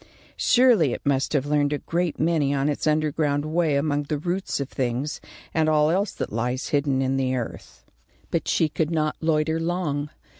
Surely it must have learned a great many on its underground way among the roots of things, and all else that lies hidden in the earth. But she could not loiter long.